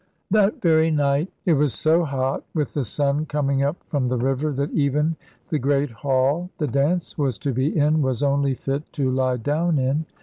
"That very night it was so hot, with the sun coming up from the river, that even the great hall the dance was to be in, was only fit to lie down in.